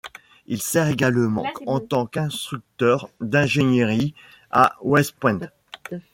Il sert également en tant qu'instructeur d'ingénierie à West Point.